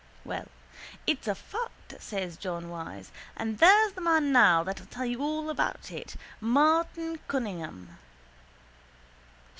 —Well, it's a fact, says John Wyse. And there's the man now that'll tell you all about it, Martin Cunningham.